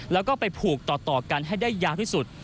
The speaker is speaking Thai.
แล้วก็ไปผูกต่อกันให้ได้ยาวที่สุด